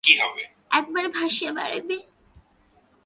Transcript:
একেবারে ভাসিয়া বেড়াইবে।